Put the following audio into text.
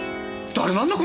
誰なんだ？